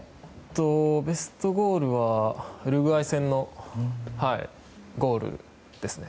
ベストゴールはウルグアイ戦のゴールですね。